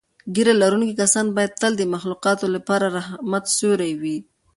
ږیره لرونکي کسان باید تل د مخلوقاتو لپاره د رحمت سیوری وي.